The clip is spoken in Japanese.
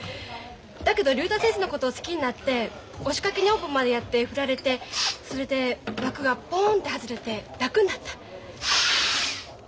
だけど竜太先生のことを好きになって押しかけ女房までやって振られてそれで枠がポンって外れて楽になった。